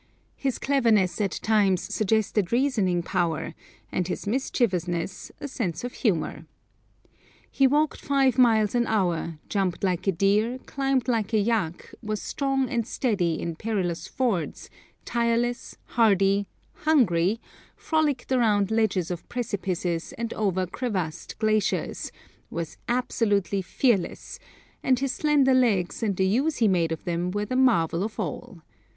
His cleverness at times suggested reasoning power, and his mischievousness a sense of humour. He walked five miles an hour, jumped like a deer, climbed like a yak, was strong and steady in perilous fords, tireless, hardy, hungry, frolicked along ledges of precipices and over crevassed glaciers, was absolutely fearless, and his slender legs and the use he made of them were the marvel of all.